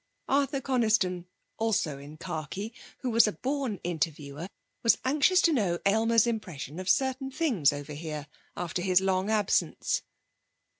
Arthur Coniston (also in khaki), who was a born interviewer, was anxious to know Aylmer's impression of certain things over here, after his long absence.